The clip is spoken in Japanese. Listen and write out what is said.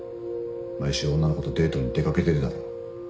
毎週女の子とデートに出掛けてるだろ。